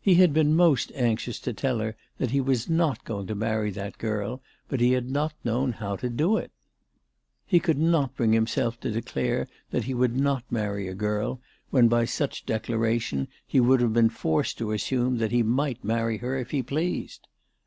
He had been most anxious to tell her that he was not going to marry that girl, but he had not known how to do it. He could not bring himself to declare that he would not marry a girl when by such declaration he would have been forced to assume that he might marry her if Jie pleased.